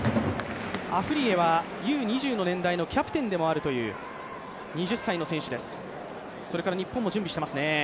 アフリイェはＵ−２０の年代のキャプテンでもあるというそれから日本も準備しています。